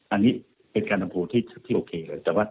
อันนี้เป็นการดำโภฯที่อ่ะ